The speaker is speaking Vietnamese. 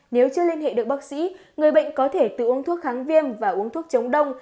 nếu chưa liên hệ được bác sĩ người bệnh có thể tự uống thuốc kháng viêm và uống thuốc chống đông